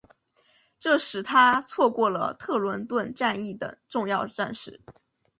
这使他错过了特伦顿战役等重要战事。